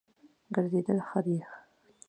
ګرځېدل ښه دی.